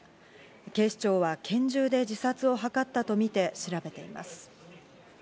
警視庁は拳銃で自殺を図ったとみて、調べています。